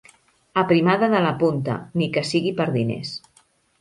Aprimada de la punta, ni que sigui per diners.